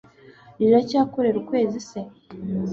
riracyakorera ukwezi se